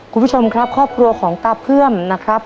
คุณผู้ชมครับครอบครัวของตาเพื่อมนะครับ